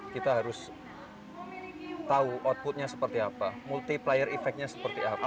kita harus tahu outputnya seperti apa multiplier effect nya seperti apa